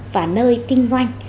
và nơi kinh doanh